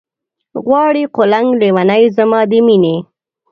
غواړي قلنګ لېونے زما د مينې